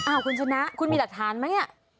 คุณชนะคุณมีหลักฐานไหม